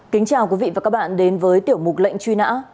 kính chào quý vị và các bạn đến với tiểu mục lệnh truy nã